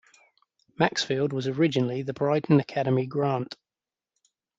Maxfield was originally the Brighton Academy grant.